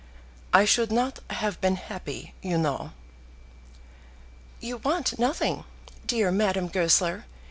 I should not have been happy, you know." "You want nothing, dear Madame Goesler.